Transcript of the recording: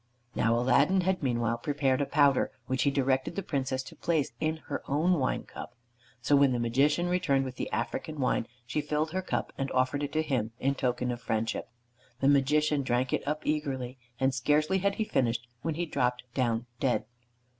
Now Aladdin had meanwhile prepared a powder which he directed the Princess to place in her own wine cup. So when the Magician returned with the African wine, she filled her cup and offered it to him in token of friendship. The Magician drank it up eagerly, and scarcely had he finished when he dropped down dead.